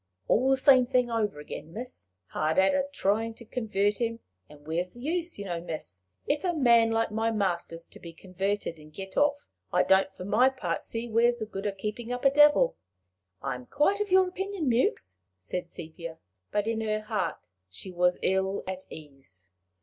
"All the same thing over again, miss! hard at it a tryin' to convert 'im! And where's the use, you know, miss? If a man like my master's to be converted and get off, I don't for my part see where's the good o' keepin' up a devil." "I am quite of your opinion, Mewks," said Sepia. But in her heart she was ill at ease.